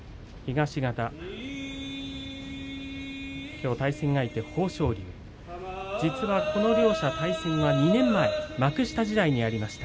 東方きょう対戦相手、豊昇龍実はこの両者対戦は２年前幕下時代にありました。